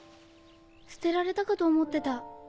捨てられたかと思ってた。